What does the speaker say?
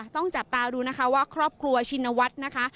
ต้องจับตาดูนะคะว่าครอบครัวชินวัฒน์นะคะ